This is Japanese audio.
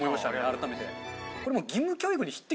改めて。